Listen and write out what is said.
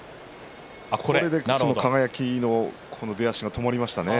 輝の出足が止まりましたね。